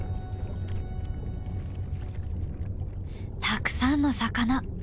たくさんの魚。